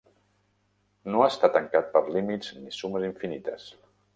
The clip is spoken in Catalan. No està tancat per límits ni sumes infinites.